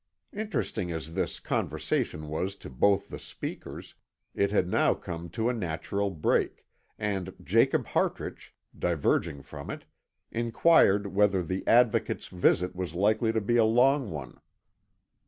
Interesting as this conversation was to both the speakers it had now come to a natural break, and Jacob Hartrich, diverging from it, inquired whether the Advocate's visit was likely to be a long one.